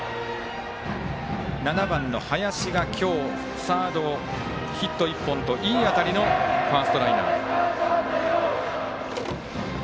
７番の林が今日、ヒット１本といい当たりのファーストライナー。